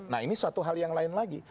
nah ini satu hal yang lain lagi